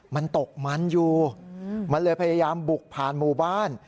มันตกมันอยู่มันเลยพยายามบุกผ่านหมู่บ้าน